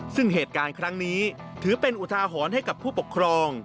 ซึ่งเหตุการณ์ครั้งนี้ถือเป็นอุทาหรณ์ให้กับผู้ปกครอง